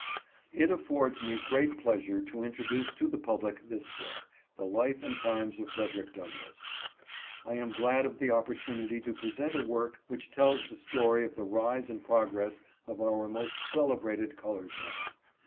It affords me great pleasure to introduce to the public this book, '' The Life and Times of Frederick Douglass. " I am glad of the opportunity to present a work which tells the story of the rise and progress of our most celebrated colored man.